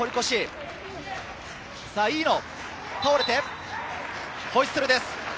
飯野が倒れてホイッスルです。